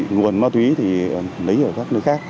nguồn ma túy thì lấy ở các nơi khác